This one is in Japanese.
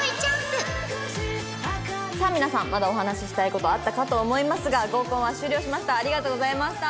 さあ皆さんまだお話ししたい事あったかと思いますが合コンは終了しました。